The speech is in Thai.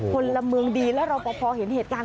คนละเมืองดีแล้วเราพอเห็นเหตุการณ์